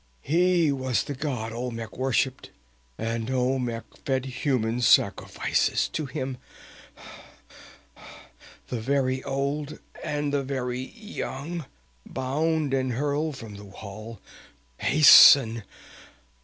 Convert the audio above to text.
He was the god Olmec worshipped; and Olmec fed human sacrifices to him, the very old and the very young, bound and hurled from the wall. Hasten!